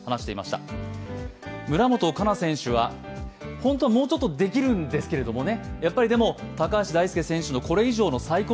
本当はもうちょっとできるんですけどね。